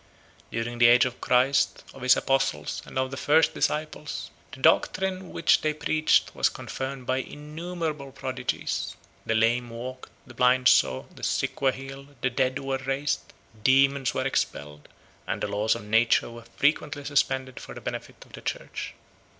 During the age of Christ, of his apostles, and of their first disciples, the doctrine which they preached was confirmed by innumerable prodigies. The lame walked, the blind saw, the sick were healed, the dead were raised, dæmons were expelled, and the laws of Nature were frequently suspended for the benefit of the church.